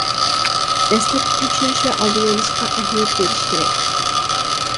دەسلەپكى تەكشۈرۈش ۋە ئالدىنى ئېلىشقا ئەھمىيەت بېرىش كېرەك.